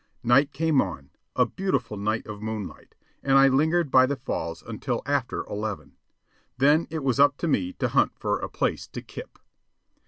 Night came on, a beautiful night of moonlight, and I lingered by the falls until after eleven. Then it was up to me to hunt for a place to "kip."